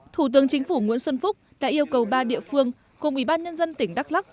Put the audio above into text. thủ tướng chính phủ nguyễn xuân phúc đã yêu cầu ba địa phương cùng ubnd tỉnh đắk lắc